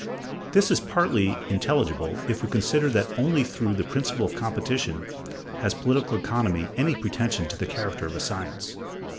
This is partly intelligible, if we consider that only through the principle of competition has political economy any pretension to the character of a science.